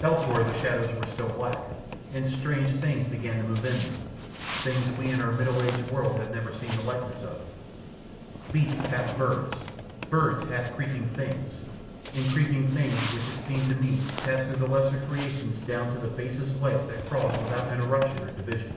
Elsewhere the shadows were still black, and strange things began to move in them things we in our middle aged world have never seen the likeness of: beasts half birds, birds half creeping things, and creeping things which it seemed to me passed through lesser creations down to the basest life that crawls without interruption or division.